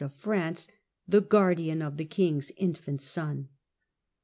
of France the guardian of the king's infant son.